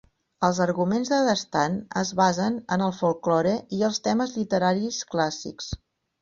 Els arguments de Dastan es basen en el folklore i els temes literaris clàssics.